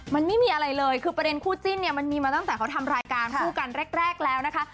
มันไม่มีอะไรเลยคือประเด็นคู่จิ้นเนี่ยมันมีมาตั้งแต่เขาทำรายการคู่กันแรกแล้วนะคะ